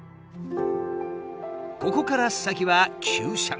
ここから先は急斜面。